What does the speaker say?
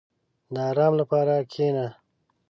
• د آرام لپاره کښېنه.